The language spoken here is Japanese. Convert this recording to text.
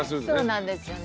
そうなんですよね。